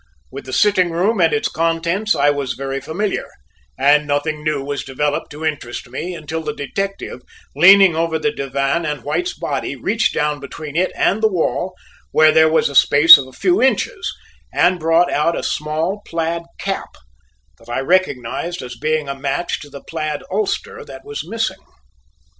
With the sitting room and its contents I was very familiar, and nothing new was developed to interest me until the detective, leaning over the divan and White's body, reached down between it and the wall, where there was a space of a few inches, and brought out a small plaid cap that I recognized as being a match to the plaid ulster that was missing.